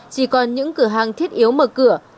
chỉ còn những cửa hàng thiết yếu mở cửa